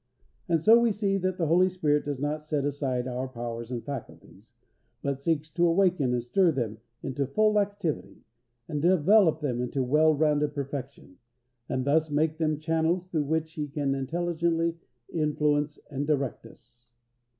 And so we see that the Holy Spirit does not set aside our powers and faculties, but seeks to awaken and stir them into full activity, and develop them into well rounded perfection, and thus make them channels through which He can intelligently influence and direct us.